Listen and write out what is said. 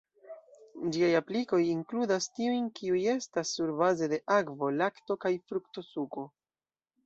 Ĝiaj aplikoj inkludas tiujn kiuj estas surbaze de akvo, lakto kaj frukto-suko.